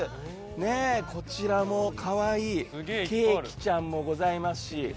こちらも可愛いケーキちゃんもございますし。